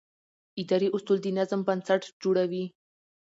اداري اصول د نظم بنسټ جوړوي.